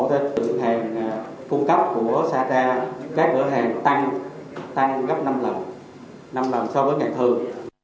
các bữa hàng phung cấp của sata các bữa hàng tăng tăng gấp năm lần năm lần so với ngày thường